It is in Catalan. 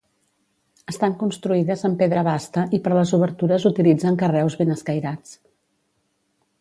Estan construïdes amb pedra basta i per les obertures utilitzen carreus ben escairats.